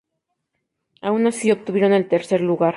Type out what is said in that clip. Aun así, obtuvieron el tercer lugar.